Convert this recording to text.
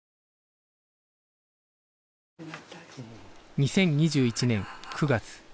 ２０２１年９月